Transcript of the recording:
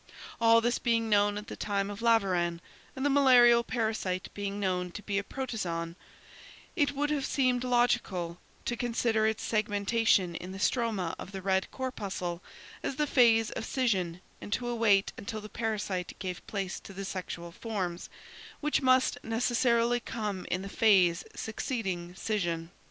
All this being known at the time of Laveran, and the malarial parasite being known to be a protozoon, it would have seemed logical to consider its segmentation in the stroma of the red corpuscle as the phase of scission and to await until the parasite gave place to the sexual forms, which must necessarily come in the phase succeeding scission.